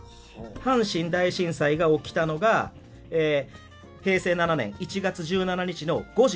阪神大震災が起きたのが平成７年１月１７日の５時４６分。